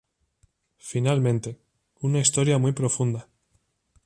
Finalmente, una historia muy profunda.